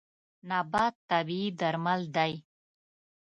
نبات طبیعي درمل دی.